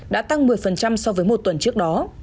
đã tăng một mươi so với một tuần trước đó